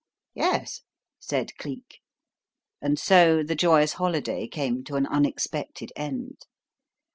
"Yes," said Cleek. And so the joyous holiday came to an unexpected end.